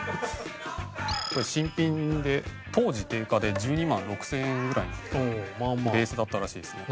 新品で当時定価で１２万６０００円ぐらいのベースだったらしいですね。